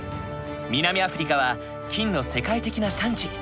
南アフリカは金の世界的な産地。